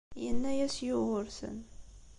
Yenna-as Yugurten.